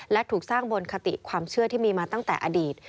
และถูกสร้างบนคติความเชื่อที่มีมาตั้งแต่อดีต